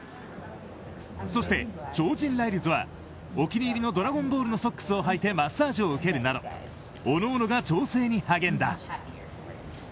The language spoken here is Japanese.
そして超人ライルズはお気に入りの「ドラゴンボール」のソックスをはいてマッサージを受けるなどおのおのが調整に励んだ。